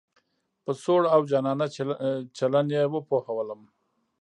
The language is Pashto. په سوړ او جانانه چلن یې پوهولم.